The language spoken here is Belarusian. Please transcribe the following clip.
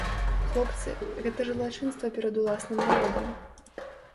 Хлопцы, гэта ж злачынства перад уласным народам.